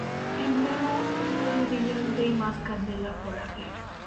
En Perú es más brillante y más canela por arriba.